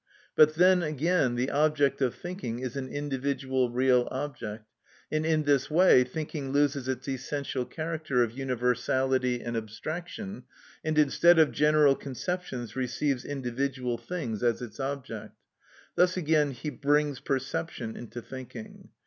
But then, again, the object of thinking is an individual real object; and in this way thinking loses its essential character of universality and abstraction, and instead of general conceptions receives individual things as its object: thus again he brings perception into thinking.